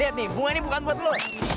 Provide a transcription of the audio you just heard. liat nih bunga ini bukan buat lo